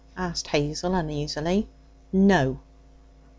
asked Hazel uneasily. 'No.'